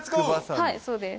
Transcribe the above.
はいそうです。